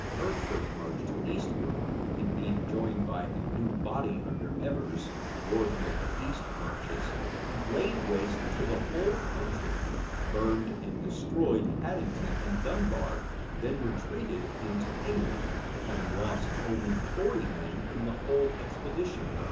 Hertford marched eastward; and being joined by a new body under Evers, warden of the east marches, he laid waste the whole country, burned and destroyed Haddington and Dunbar, then retreated into England; having lost only forty men in the whole expedition.